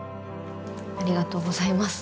ありがとうございます。